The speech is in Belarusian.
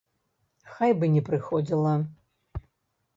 Хай бы не прыходзіла.